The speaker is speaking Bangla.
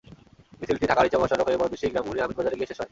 মিছিলটি ঢাকা-আরিচা মহাসড়ক হয়ে বরদেশী গ্রাম ঘুরে আমিনবাজারে গিয়ে শেষ হয়।